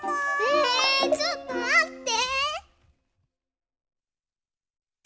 えちょっとまって！